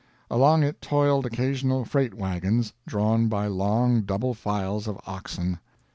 Along it toiled occasional freight wagons, drawn by long double files of oxen.